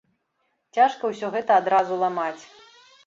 Цяжка ўсё гэта адразу ламаць.